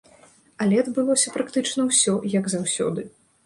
Але адбылося практычна ўсё, як заўсёды.